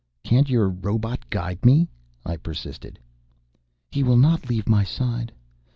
"Can't your robot guide me?" I persisted. "He will not leave my side.